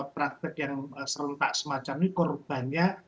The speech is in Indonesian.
praktek yang serentak semacam ini korbannya